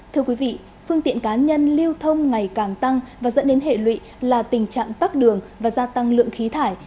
thưa quý vị phương tiện cá nhân lưu thông ngày càng tăng và dẫn đến hệ lụy là tình trạng tắt đường và gia tăng lượng khí thải